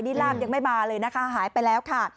นี่ลาบยังไม่มาเลยนะคะหายไปแล้วค่ะ